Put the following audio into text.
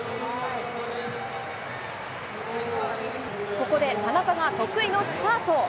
ここで田中が得意のスパート。